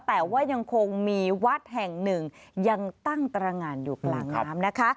แต่ว่ายังคงมีวัดแห่งหนึ่งยังตั้งตรงานอยู่กลางน้ำนะคะ